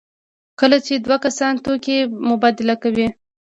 کله چې دوه کسان توکي مبادله کوي.